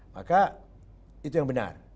maka itu yang benar